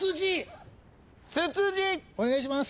お願いします。